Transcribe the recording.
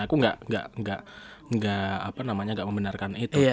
aku gak gak gak apa namanya gak membenarkan itu